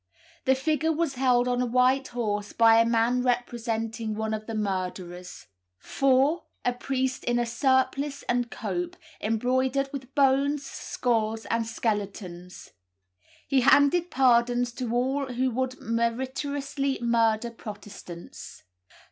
This figure was held on a white horse by a man representing one of the murderers. 4. A priest in a surplice and cope, embroidered with bones, skulls, and skeletons. He handed pardons to all who would meritoriously murder Protestants.